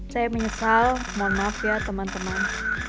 saya menyesal mohon maaf ya teman teman